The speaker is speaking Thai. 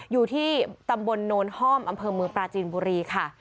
อยู่ที่ตำบลโนนห้อมอำเภอเมืองปลาจีนบุรีค่ะ